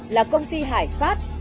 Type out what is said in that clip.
là công ty hải pháp